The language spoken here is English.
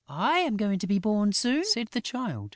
"I am going to be born soon," said the Child.